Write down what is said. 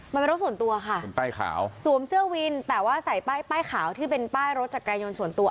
มันเป็นรถส่วนตัวค่ะเป็นป้ายขาวสวมเสื้อวินแต่ว่าใส่ป้ายป้ายขาวที่เป็นป้ายรถจักรยายนต์ส่วนตัว